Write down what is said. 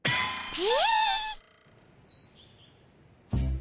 ピ。